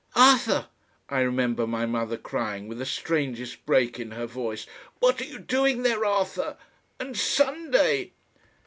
"Arthur!" I remember my mother crying with the strangest break in her voice, "What are you doing there? Arthur! And SUNDAY!"